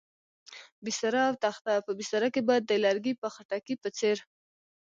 بستره او تخته، په بستره کې به د لرګي په خټکي په څېر.